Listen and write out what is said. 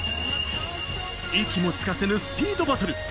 息もつかせぬスピードバトル。